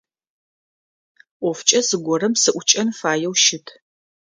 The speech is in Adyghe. Ӏофкӏэ зыгорэм сыӏукӏэн фаеу щыт.